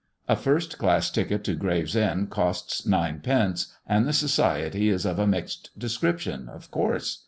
A first class ticket to Gravesend costs nine pence, and the society is of a mixed description of course.